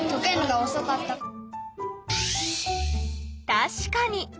たしかに！